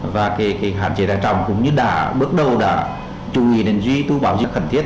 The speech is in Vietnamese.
và cái hạn chế đã trồng cũng như đã bước đầu đã chú ý đến duy tu báo dự khẩn thiết